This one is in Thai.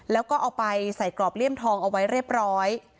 แล้วก็เอาไปใส่กรอบเลี่ยมทองเอาไว้เรียบร้อย